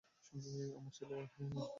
আমার ছেলে আমার থেকে লম্বা।